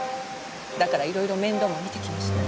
だからいろいろ面倒も見てきました。